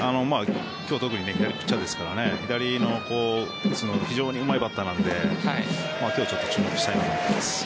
今日は特に左ピッチャーですから左を打つのが非常にうまいバッターなので今日ちょっと注目したいと思います。